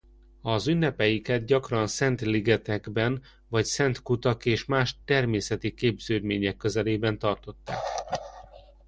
Az ünnepeiket gyakran szent ligetekben vagy szent kutak és más természeti képződmények közelében tartották.